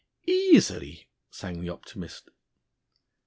"Easily!" sang the optimist.